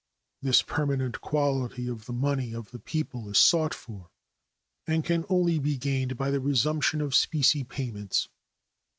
This permanent quality of the money of the people is sought for, and can only be gained by the resumption of specie payments.